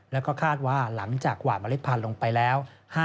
แล้วก็คาดว่าหลังจากกว่าเมล็ดพันธุ์ลงไปแล้ว